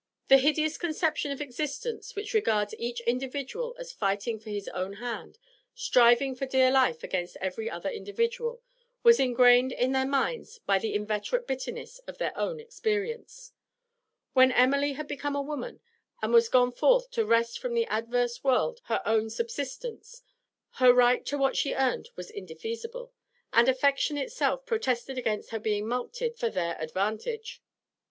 The hideous conception of existence which regards each individual as fighting for his own hand, striving for dear life against every other individual, was ingrained in their minds by the inveterate bitterness of their own experience; when Emily had become a woman, and was gone forth to wrest from the adverse world her own subsistence, her right to what she earned was indefeasible, and affection itself protested against her being mulcted for their advantage.